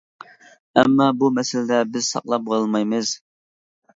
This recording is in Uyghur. ئەمما بۇ مەسىلىدە، بىز ساقلاپ بولالمايمىز.